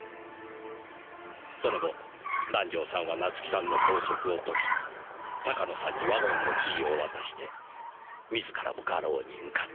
その後南条さんは夏樹さんの拘束を解き鷹野さんにワゴンのキーを渡して自らも画廊に向かった。